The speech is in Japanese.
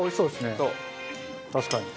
確かに。